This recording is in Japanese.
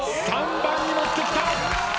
３番に持ってきた。